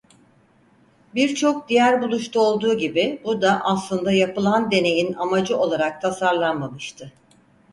Birçok diğer buluşta olduğu gibi bu da aslında yapılan deneyin amacı olarak tasarlanmamıştı.